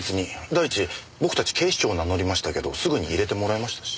第一僕たち警視庁を名乗りましたけどすぐに入れてもらえましたし。